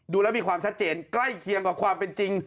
ดูแล้วมีความชัดเจนใกล้เคียงกับความเป็นจริง